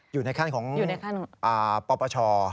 อยู่ในขั้นของปปช